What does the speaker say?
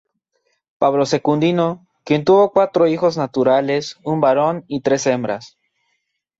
Pablo Secundino, quien tuvo cuatro hijos naturales, un varón y tres hembras.